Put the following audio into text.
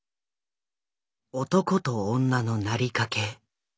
「男と女のなりかけ」。